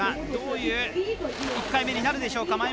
どういう１回目になるでしょうか。